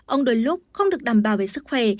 ông đôi lúc không được đảm bảo về sức khỏe